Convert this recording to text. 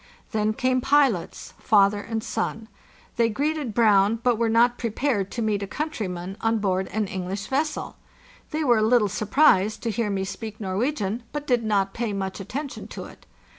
Then came pilots, father and son. They greeted Brown, but were not prepared to meet a countryman on board an English vessel. They were a little surprised to hear me speak Norwegian, but did not pay much attention to it.